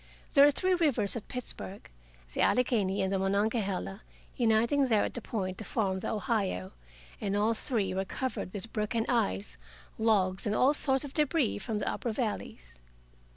There are three rivers at Pittsburgh, the Allegheny and the Monongahela uniting there at the Point to form the Ohio. And all three were covered with broken ice, logs, and all sorts of debris from the upper valleys.